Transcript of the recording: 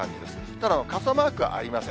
ただ傘マークはありません。